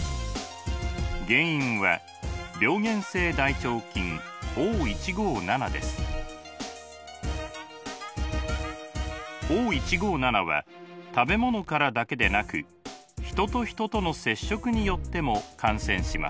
原因はＯ１５７は食べ物からだけでなく人と人との接触によっても感染します。